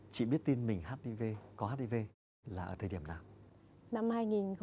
chị biết tin mình hát đi vê có hát đi vê là ở thời điểm nào